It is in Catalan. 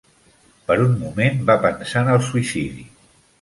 Per un moment va pensar en el suïcidi.